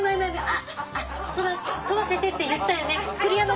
あっ沿わせてって言ったよね！